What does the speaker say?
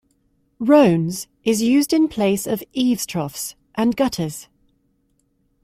"Rones" is used in place of "eavestroughs" and "gutters".